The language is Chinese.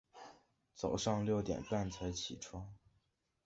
早上六点半才起床